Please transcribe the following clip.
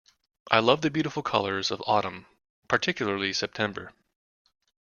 I love the beautiful colours of autumn, particularly September